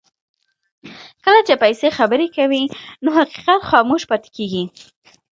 کله چې پیسې خبرې کوي نو حقیقت خاموش پاتې کېږي.